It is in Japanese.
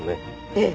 ええ。